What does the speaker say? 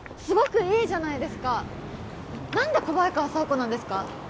すごくいいじゃないですか何で小早川佐和子なんですか？